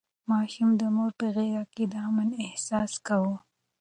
ماشوم د مور په غېږ کې د امن احساس کاوه.